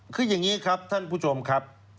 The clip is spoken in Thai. คืออย่างนี้ครับท่านผู้ชมครับ